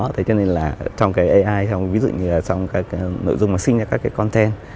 thế cho nên là trong cái ai ví dụ như là trong cái nội dung mà sinh ra các cái content